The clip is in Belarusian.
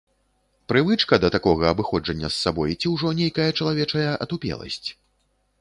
Прывычка да такога абыходжання з сабой ці ўжо нейкая чалавечая атупеласць?